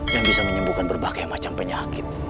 yang bisa menyembuhkan berbagai macam penyakit